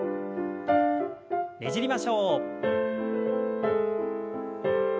ねじりましょう。